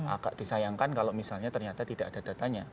agak disayangkan kalau misalnya ternyata tidak ada datanya